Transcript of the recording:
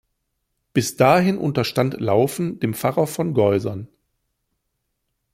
Bis dahin unterstand Lauffen dem Pfarrer von Goisern.